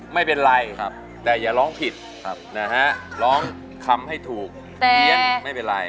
ไม่เป็นไรแต่อย่าร้องผิดนะฮะร้องคำให้ถูกเพี้ยนไม่เป็นไร